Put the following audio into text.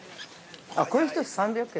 これ１つ３００円？